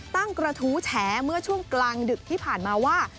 กระทู้แฉเมื่อช่วงกลางดึกที่ผ่านมาว่า